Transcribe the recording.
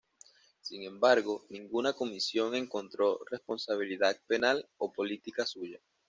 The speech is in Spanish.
Sin embargo, ninguna comisión encontró responsabilidad penal o política suya.